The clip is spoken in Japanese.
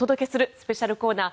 スペシャルコーナー